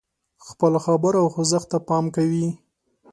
خپلو خبرو او خوځښت ته پام کوي.